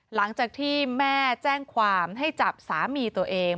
หลังจากที่แม่แจ้งความให้จับสามีตัวเอง